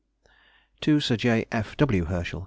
TO SIR J. F. W. HERSCHEL.